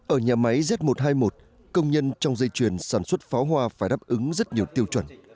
ở nhà máy z một trăm hai mươi một công nhân trong dây chuyền sản xuất pháo hoa phải đáp ứng rất nhiều tiêu chuẩn